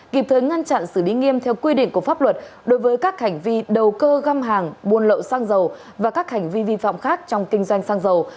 kịp thời ngăn chặn xử lý nghiêm theo quy định của pháp luật đối với các hành vi đầu cơ găm hàng buôn lậu xăng dầu và các hành vi vi phạm khác trong kinh doanh xăng dầu